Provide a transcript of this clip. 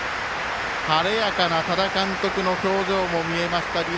晴れやかな多田監督の表情も見えました。